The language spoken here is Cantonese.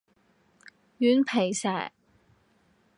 軟皮蛇